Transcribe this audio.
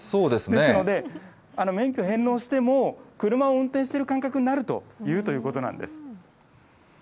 ですので、免許返納しても、車を運転している感覚になるということなんです。